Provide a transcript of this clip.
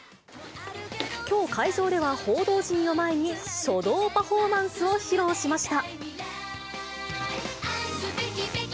きょう会場では、報道陣を前に書道パフォーマンスを披露しました。